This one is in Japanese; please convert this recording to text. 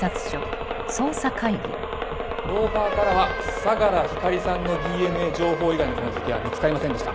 ローファーからは相良光莉さんのＤＮＡ情報以外の痕跡は見つかりませんでした。